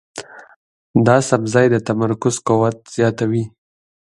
دا سبزی د تمرکز قوت زیاتوي.